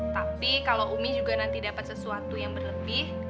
tapi kalau umi juga nanti dapat sesuatu yang berlebih